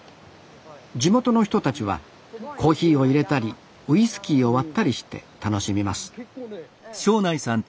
地元の人たちはコーヒーをいれたりウイスキーを割ったりして楽しみますこれ？